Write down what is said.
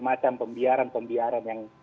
macam pembiaran pembiaran yang